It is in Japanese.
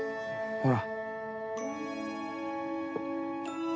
ほら。